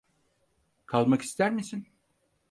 Kalmak ister misin?